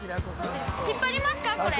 ◆引っ張りますか、これ。